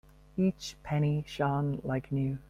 Each penny shone like new.